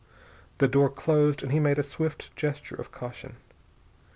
The door closed, and he made a swift gesture of caution.